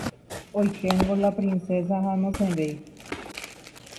Oikéngo la princesa ha nosẽvéi.